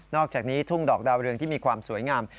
อกจากนี้ทุ่งดอกดาวเรืองที่มีความสวยงาม